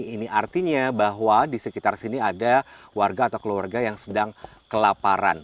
ini artinya bahwa di sekitar sini ada warga atau keluarga yang sedang kelaparan